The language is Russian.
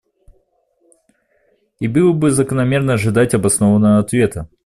И было бы закономерно ожидать обоснованного ответа.